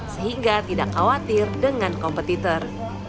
sehingga tidak khawatir dengan kompetitor